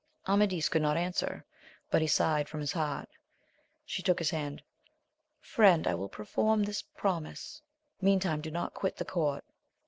Amadis could not answer ; but he sighed from his heart. She took his hand, — Friend, I wiU perform this promise ; mean time do not quit the court.